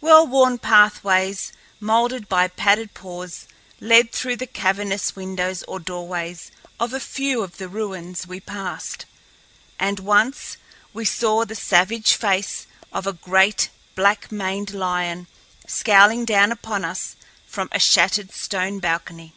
Well worn pathways, molded by padded paws, led through the cavernous windows or doorways of a few of the ruins we passed, and once we saw the savage face of a great, black maned lion scowling down upon us from a shattered stone balcony.